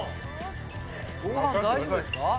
ご飯大丈夫ですか？